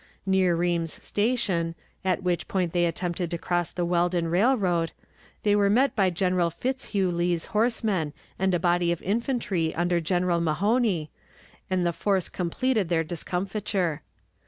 Near Ream's Station, at which point they attempted to cross the Weldon Railroad, they were met by General Fitzhugh Lee's horsemen and a body of infantry under General Mahone, and the force completed their discomfiture.